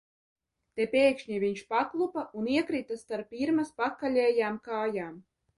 Te pēkšņi viņš paklupa un iekrita starp Irmas pakaļējām kājām.